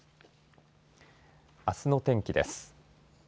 あすの天気です。